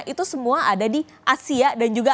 itu semua ada di asia dan juga